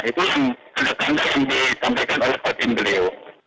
itu yang agak agak disampaikan oleh pak tim delio